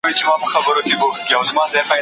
پهلوان د ترانو د لر او بر دی